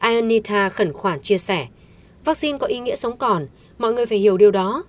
ionita khẩn khoản chia sẻ vaccine có ý nghĩa sống còn mọi người phải hiểu điều đó